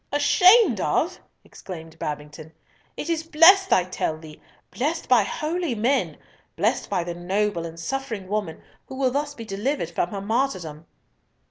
"Ashamed of!" exclaimed Babington. "It is blest, I tell thee, blest by holy men, blest by the noble and suffering woman who will thus be delivered from her martyrdom."